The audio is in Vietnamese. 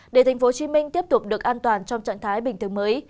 để tp hcm tiếp tục được an toàn trong trạng thái bình thường mới